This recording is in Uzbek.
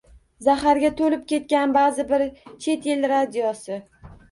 Zaharga to‘lib ketgan ba’zi bir chet el radiosi.